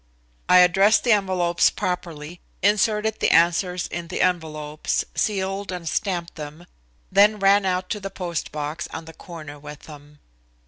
I addressed the envelopes properly, inserted the answers in the envelopes, sealed and stamped them, then ran out to the post box on the corner with them.